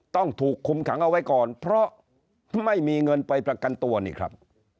ต้องถูกคุมขังเอาไว้ก่อนเพราะไม่มีเงินไปประกันตัวนี่ครับ